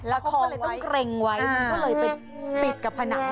แล้วเขาก็เลยต้องเกร็งไว้ก็เลยไปปิดกับผนัง